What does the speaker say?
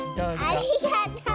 ありがとう！